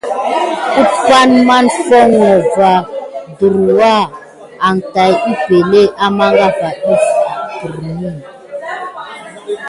Umpay ne mā foŋko va ɗurwa ada epəŋle amagava def perine.